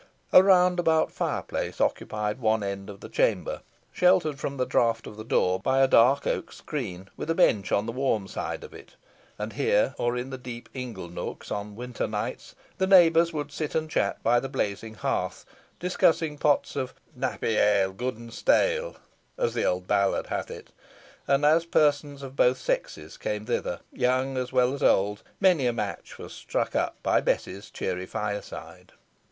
A roundabout fireplace occupied one end of the chamber, sheltered from the draught of the door by a dark oak screen, with a bench on the warm side of it; and here, or in the deep ingle nooks, on winter nights, the neighbours would sit and chat by the blazing hearth, discussing pots of "nappy ale, good and stale," as the old ballad hath it; and as persons of both sexes came thither, young as well as old, many a match was struck up by Bess's cheery fireside.